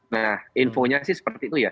nah infonya sih seperti itu ya